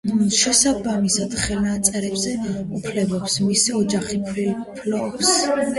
შესაბამისად, ხელნაწერებზე უფლებებს მისი ოჯახი ფლობს.